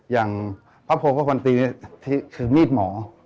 อย่างพระโภคพระควันตีนี่ที่คือมีดหมอ